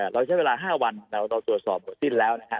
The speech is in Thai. เราใช้เวลา๕วันเราตรวจสอบหมดสิ้นแล้วนะฮะ